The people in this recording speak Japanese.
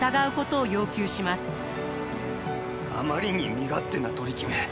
あまりに身勝手な取り決め。